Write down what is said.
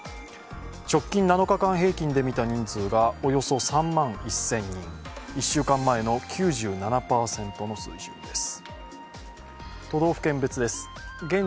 直近７日間平均で見た人数がおよそ３万１０００人、１週間前の９７％の水準です。